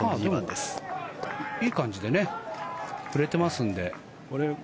でもいい感じで振れてますので。